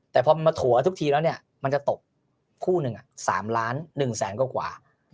แต่พอมาถั่วทุกทีแล้วเนี่ยมันจะตกคู่หนึ่ง๓ล้าน๑แสนกว่า